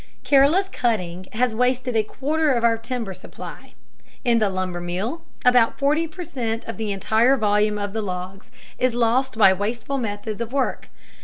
Careless cutting has wasted a quarter of our timber supply. In the lumber mill about 40 per cent of the entire volume of the logs is lost by wasteful methods of work.